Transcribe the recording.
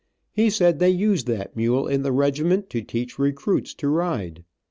He said they used that mule in the regiment to teach recruits to ride.